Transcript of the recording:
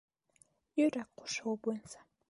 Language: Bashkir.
Йөрәк ҡушыуы буйынса.